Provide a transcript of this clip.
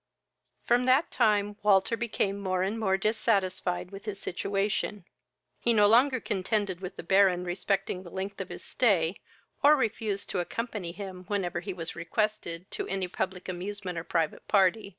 From the time Walter became more and more dissatisfied with his situation. He no longer contended with the Baron respecting the length of his stay, or refused to accompany him whenever he was requested to any public amusement or private party.